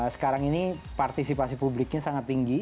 sekarang ini partisipasi publiknya sangat tinggi